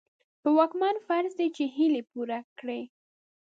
په واکمن فرض دي چې هيلې پوره کړي.